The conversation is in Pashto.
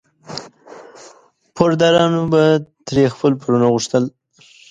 پوردارانو به ترې خپل پورونه غوښتل.